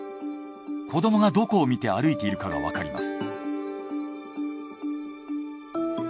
子供がどこを見て歩いているかがわかります。